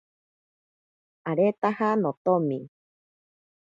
Aretaja notomi.